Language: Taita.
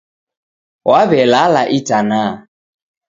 Waw'elala itana